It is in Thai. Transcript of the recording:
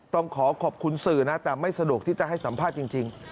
ต้องขอขอบคุณสื่อนะแต่ไม่สะดวกที่จะให้สัมภาษณ์จริง